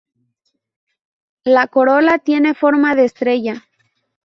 La corola tiene forma de estrella.